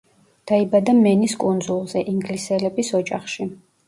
დაიბადა მენის კუნძულზე, ინგლისელების ოჯახში.